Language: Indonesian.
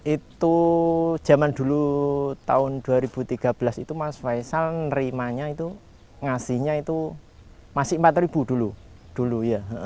itu zaman dulu tahun dua ribu tiga belas itu mas faisal nerimanya itu ngasihnya itu masih rp empat dulu ya